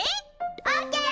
オッケー！